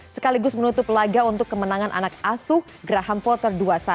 sekaligus menutup laga untuk kemenangan anak asuh graham potter dua satu